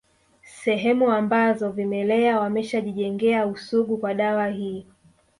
Sehemu ambazo vimelea wameshajijengea usugu kwa dawa hii